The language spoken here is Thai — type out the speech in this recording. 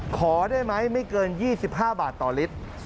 ขอได้ไหมไม่เกิน๒๕บาทต่อลิตร